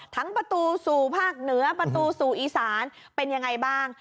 ประตูสู่ภาคเหนือประตูสู่อีสานเป็นยังไงบ้าง